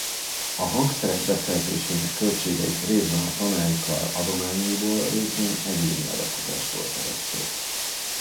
A hangszerek beszerzésének költségeit részben a tanári kar adományaiból részben egyéni adakozásból fedezték.